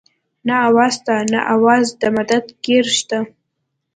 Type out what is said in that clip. نه اواز شته نه اواز د مدد ګير شته